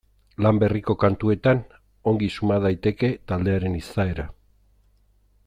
Lan berriko kantuetan ongi suma daiteke taldearen izaera.